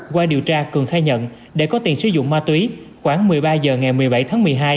qua điều tra cường khai nhận để có tiền sử dụng ma túy khoảng một mươi ba h ngày một mươi bảy tháng một mươi hai